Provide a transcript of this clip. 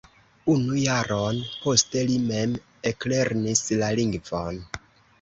Unu jaron poste li mem eklernis la lingvon.